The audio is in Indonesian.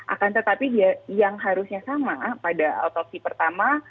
akan tetapi dia yang harusnya sama pada otopsi pertama